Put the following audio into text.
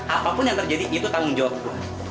apapun yang terjadi itu tanggung jawab gue